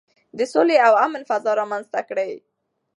د سولې او امن فضا رامنځته کړئ.